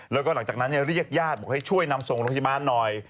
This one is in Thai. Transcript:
แล้วก็หลังจากนั้นเรียกญาติบอกให้ช่วยนำส่งโรงพยาบาลหน่อย